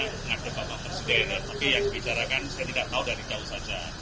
terhadap bapak presiden tapi yang dibicarakan saya tidak tahu dari jauh saja